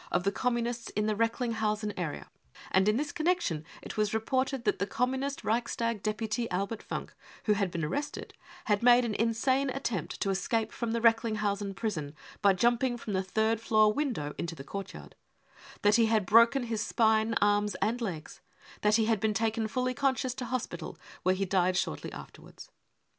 of the Communists in the Recklingshausen area, and in this connection it was reported that the ^Communist Reicfistag deputy Albert Funk, who had been arrested, had made an insane attempt to escape from the Recklinghausen prison by jumping from the third floor window into the courtyard ; that he had broken his spine, arms and legs ; that he had been taken fully conscious to hospital, where he died shortly afterwards.